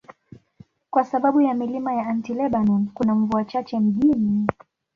Kwa sababu ya milima ya Anti-Lebanon, kuna mvua chache mjini.